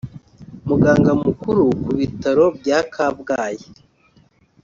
muganga mukuru ku bitaro bya Kabgayi